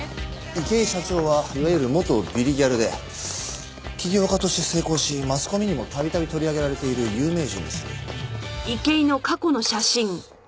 池井社長はいわゆる元ビリギャルで起業家として成功しマスコミにも度々取り上げられている有名人です。